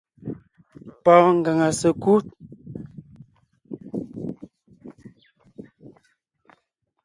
Pɔɔn ngaŋa sèkú .